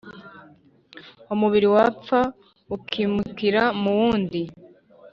umubiri wapfa bukimukira mu wundi.